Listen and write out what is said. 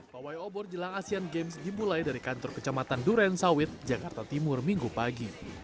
pawai obor jelang asean games dimulai dari kantor kecamatan duren sawit jakarta timur minggu pagi